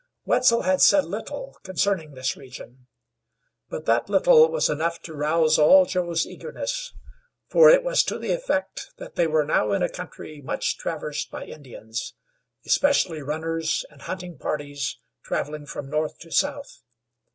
Wetzel had said little concerning this region, but that little was enough to rouse all Joe's eagerness, for it was to the effect that they were now in a country much traversed by Indians, especially runners and hunting parties travelling from north to south.